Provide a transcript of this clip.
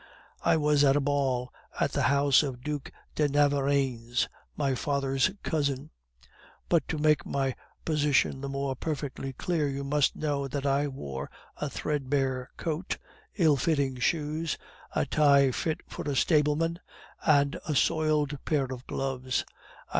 I was at a ball at the house of the Duc de Navarreins, my father's cousin. But to make my position the more perfectly clear, you must know that I wore a threadbare coat, ill fitting shoes, a tie fit for a stableman, and a soiled pair of gloves.